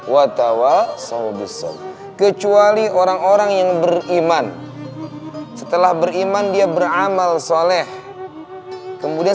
watawal shawbis shalih kecuali orang orang yang beriman setelah beriman dia beramal shalih kemudian